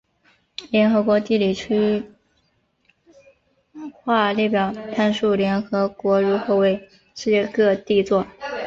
联合国地理区划列表阐述联合国如何为世界各地作。